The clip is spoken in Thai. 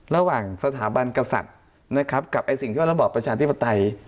ระหว่างสถาบันกษัตริย์นะครับกับไอ้สิ่งที่ระบอบประชาธิปไตย